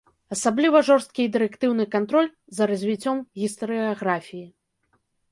Асабліва жорсткі і дырэктыўны кантроль за развіццём гістарыяграфіі.